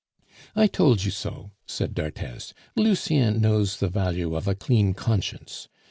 "I told you so!" said d'Arthez. "Lucien knows the value of a clean conscience.